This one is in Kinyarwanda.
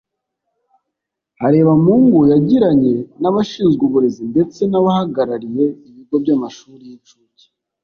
Harebamungu yagiranye n’abashinzwe uburezi ndetse n’abahagarariye ibigo by’amashuri y’inshuke